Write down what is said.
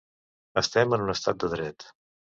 Estem en un estat de dret.